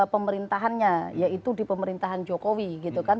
pemerintahannya yaitu di pemerintahan jokowi gitu kan